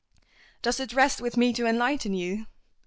"Does it rest with me to enlighten you?"